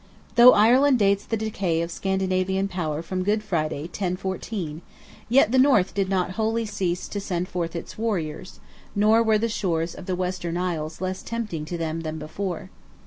Though Ireland dates the decay of Scandinavian power from Good Friday, 1014, yet the North did not wholly cease to send forth its warriors, nor were the shores of the Western Island less tempting to them than before.